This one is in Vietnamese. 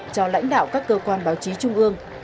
cho lãnh đạo các cơ quan báo chí trung ương